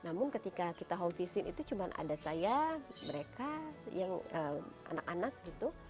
namun ketika kita home visit itu cuma ada saya mereka anak anak gitu